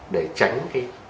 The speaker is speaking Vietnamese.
để tránh cái